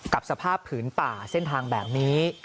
กับสภาพผืนป่าเส้นทางแบบนี้